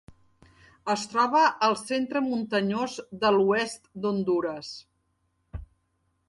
Es troba al centre muntanyós de l'oest d'Hondures.